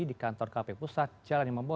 di kantor kpu pusat jalan limbo